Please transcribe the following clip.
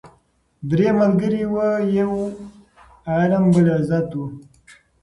درې ملګري وه یو علم بل عزت وو